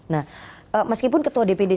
nah meskipun ketua dpd